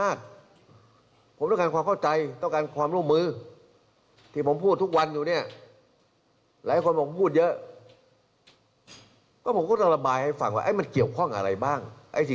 นักเรียกร้องปายล้ำ็ูหลอยยังไง